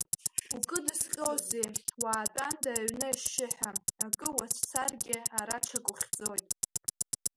Укыдызҟьозеи, уаатәанда аҩны ашьшьыҳәа, акы уацәцаргьы, ара ҽак ухьӡоит…